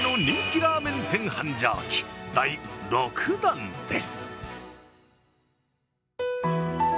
ラーメン店繁盛記第６弾です。